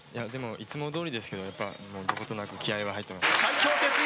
いつもどおりですけどどことなく気合は入っています。